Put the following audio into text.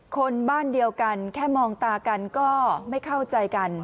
คนบ้านเดียวกันแค่มองตากันก็ไม่เข้าใจกัน